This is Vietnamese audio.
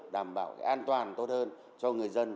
đảm bảo an toàn tốt hơn cho người dân